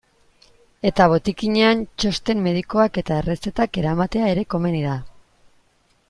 Eta botikinean txosten medikoak eta errezetak eramatea ere komeni da.